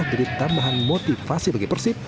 tambahan motivasi bagi persib